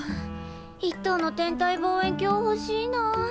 一等の天体望遠鏡ほしいな。